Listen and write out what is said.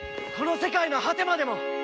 この世界の果てまでも！